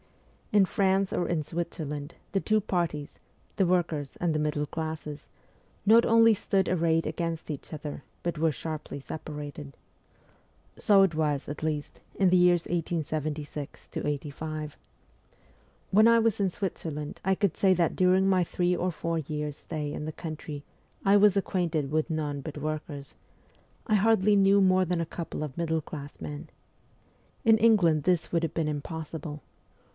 In France or in Switzerland, the two parties the workers and the middle classes not only stood arrayed against each other, but were sharply separated. So it was, at least, in the years 1876 85. When I was in Switzerland I could say that during my three or four years' stay in the country I was acquainted with none but workers I hardly knew more than a couple of middle class men. In England this would have been impossible.